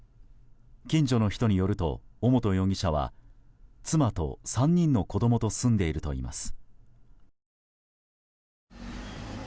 近所の人によると尾本容疑者は妻と３人の子供と住んでいるといいます。